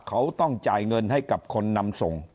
เขาต้องจ่ายเงินให้กับคนนำส่ง